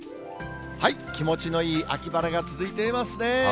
気持ちのいい秋晴れが続いていますね。